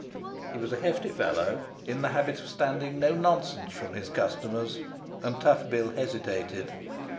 He was a hefty fellow, in the habit of standing no nonsense from his customers, and Tough Bill hesitated.